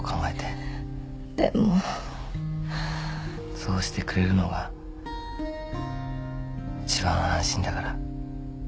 そうしてくれるのが一番安心だから。